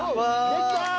できた！